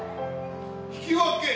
引き分け。